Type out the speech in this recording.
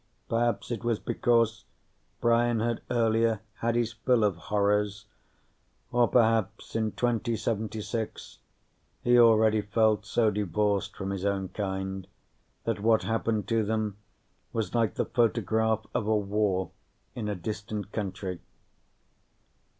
Perhaps it was because Brian had earlier had his fill of horrors; or perhaps, in 2076, he already felt so divorced from his own kind that what happened to them was like the photograph of a war in a distant country.